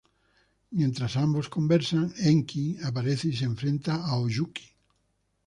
Mientras ambos conversan, Enki aparece y se enfrenta a Oyuki.